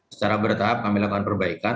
secara bertahap kami lakukan perbaikan